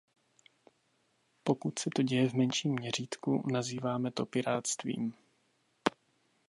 Pokud se to děje v menším měřítku, nazýváme to pirátstvím.